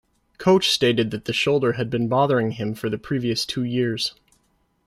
Coach stated that the shoulder had been bothering him for the previous two years.